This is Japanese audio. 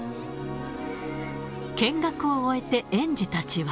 見学を終えて、園児たちは。